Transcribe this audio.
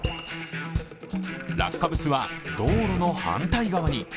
落下物は道路の反対側に。